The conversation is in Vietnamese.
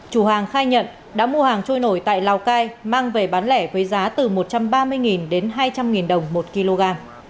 chủ hàng khai nhận đã mua hàng trôi nổi tại lào cai mang về bán lẻ với giá từ một trăm ba mươi đến hai trăm linh đồng một kg